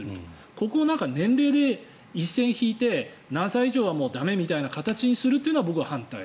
ここを年齢で一線を引いて何歳以上はもう駄目みたいな形にするのは僕は反対。